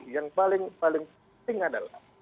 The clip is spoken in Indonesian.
yang paling penting adalah